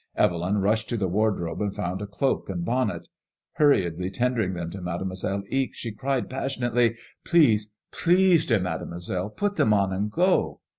Evelyn mshed to the wardrobe and found a cloak and bonnet. Hurriedly tendering them to Mademoiselle Ixe, she cried, passionately :'' Please, please, dear Made moiselle, put them on and go.